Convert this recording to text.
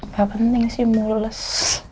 gak penting sih mulus